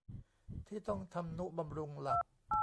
ที่ต้องทำนุบำรุงหลัก